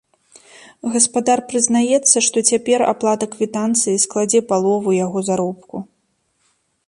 Гаспадар прызнаецца, што цяпер аплата квітанцыі складзе палову яго заробку.